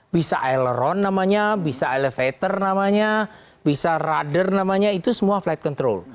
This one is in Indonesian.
bisa aileron namanya bisa elevator namanya bisa ruther namanya itu semua flight control